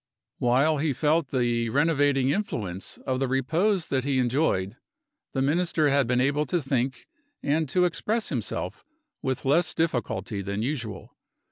While he felt the renovating influence of the repose that he enjoyed, the Minister had been able to think and to express himself with less difficulty than usual.